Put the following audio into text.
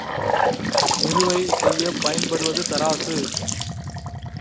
நிறுவை செய்யப் பயன்படுவது தராசு.